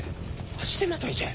足手まといじゃ。